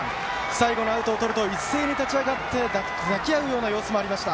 最後のアウトをとると一斉に立ち上がって抱き合うような様子もありました。